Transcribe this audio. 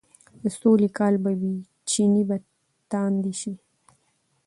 د سولې کال به وي، چينې به تاندې شي،